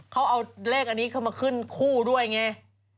เขาเอาเลขอันนี้เข้ามาขึ้นคู่ด้วยไง